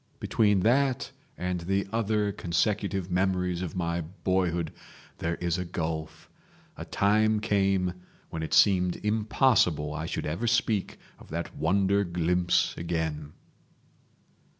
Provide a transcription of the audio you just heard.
Between that and the other consecutive memories of my boyhood there is a gulf. A time came when it seemed impossible I should ever speak of that wonder glimpse again."